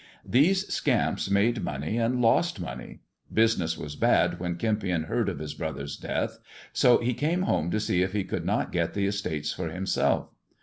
" These scamps made money and lost money. Business was bad when Kempion heard of his brother's death, so he came home to see if he could not get the estates for himself.